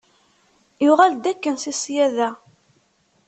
Yuɣal-d akken si ssyaḍa.